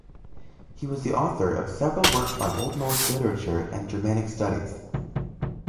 He was the author of several works on Old Norse literature and Germanic studies.